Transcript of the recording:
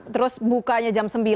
terus bukanya jam sembilan